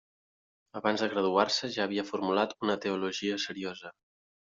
Abans de graduar-se ja havia formulat una teologia seriosa.